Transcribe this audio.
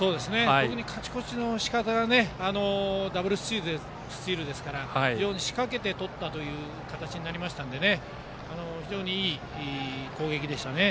勝ち越しのしかたがダブルスチールですから非常に仕掛けて取ったという形になりましたから非常にいい攻撃でしたね。